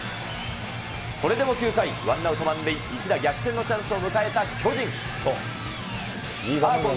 それでも９回、ワンアウト満塁、一打逆転のチャンスを迎えた巨人。